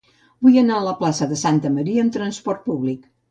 Vull anar a la plaça de Santa Maria amb trasport públic.